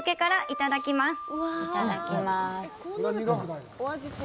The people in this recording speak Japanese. いただきまーす。